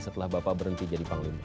setelah bapak berhenti jadi panglima